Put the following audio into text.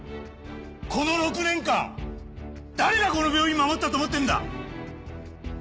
この６年間誰がこの病院を守ったと思ってるんだ！